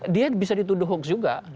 dia bisa dituduh hoax juga